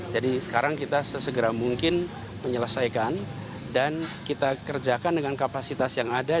jadi sekarang kita sesegera mungkin menyelesaikan dan kita kerjakan dengan kapasitas yang ada